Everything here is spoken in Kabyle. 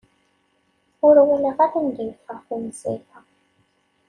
Ur walaɣ ara anda yeffeɣ tanezzayt-a.